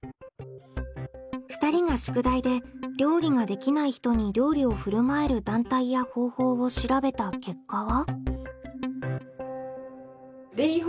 ２人が宿題で料理ができない人に料理をふるまえる団体や方法を調べた結果は？